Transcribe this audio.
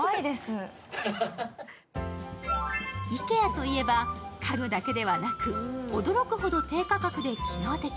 ＩＫＥＡといえば家具だけではなく、驚くほど低価格で機能的。